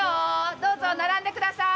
どうぞ並んでください。